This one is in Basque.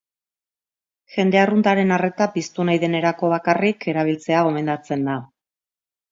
Jende arruntaren arreta piztu nahi denerako bakarrik erabiltzea gomendatzen da.